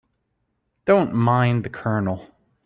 Don't mind the Colonel.